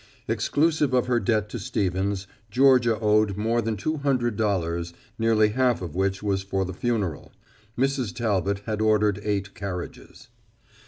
Exclusive of her debt to Stevens, Georgia owed more than two hundred dollars, nearly half of which was for the funeral. Mrs. Talbot had ordered eight carriages.